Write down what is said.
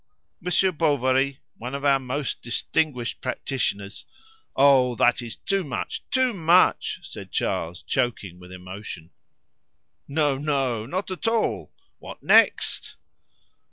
Monsieur Bovary, one of our most distinguished practitioners '" "Oh, that is too much! too much!" said Charles, choking with emotion. "No, no! not at all! What next!"